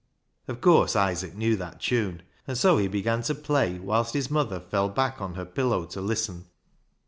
Of course Isaac knew that tune, and so he began to play, whilst his mother fell back on her pillow to listen.